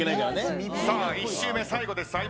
１周目最後です